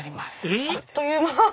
えっ？あっという間！